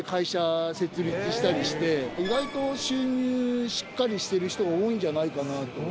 意外と収入しっかりしてる人は多いんじゃないかなと。